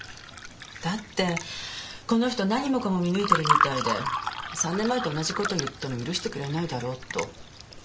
だってこの人何もかも見抜いてるみたいで３年前と同じ事を言っても許してくれないだろうと。